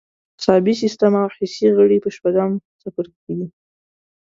عصبي سیستم او حسي غړي په شپږم څپرکي کې دي.